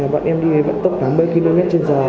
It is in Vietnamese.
bọn em đi bận tốc khoảng ba mươi km trên giờ